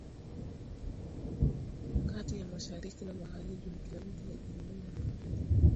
Kati ya mashariki na magharibi ni kilomita elfu nne na mia mbili